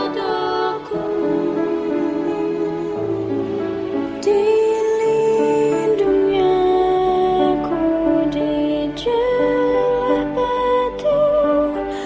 jika hipertensi atasi dengan kencur